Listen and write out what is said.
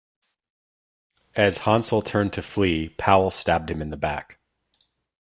As Hansell turned to flee, Powell stabbed him in the back.